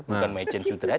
bukan mahi jen sudra